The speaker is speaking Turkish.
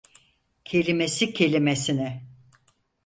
Kelimesi kelimesine.